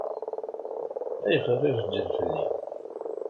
Ayɣer i ireggel fell-i?